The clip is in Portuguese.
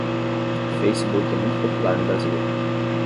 O Facebook é muito popular no Brasil